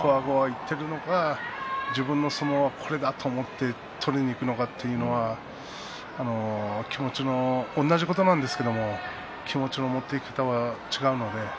ふわふわいってるのか自分の相撲をこれだと取りにいくのかというのは同じことなんですけども気持ちの持っていき方が違います。